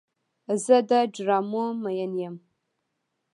زه د ډرامو مین یم.